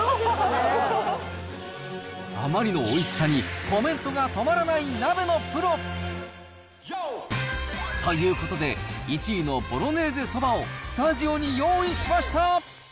あまりのおいしさにコメントが止まらない鍋のプロ。ということで、１位のボロネーゼそばをスタジオに用意しました。